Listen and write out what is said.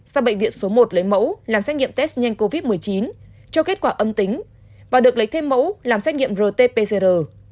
sang bệnh viện số một lấy mẫu làm xét nghiệm test nhanh covid một mươi chín cho kết quả âm tính và được lấy thêm mẫu làm xét nghiệm rt pcr